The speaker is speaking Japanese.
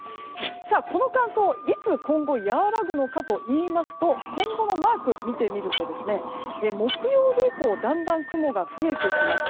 この乾燥今後いつ和らぐのかといいますと今後のマークを見てみると木曜日以降だんだん雲が増えてきまして